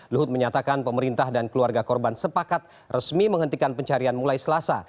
luhut menyatakan pemerintah dan keluarga korban sepakat resmi menghentikan pencarian mulai selasa